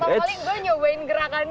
first of all saya mencoba gerakan ini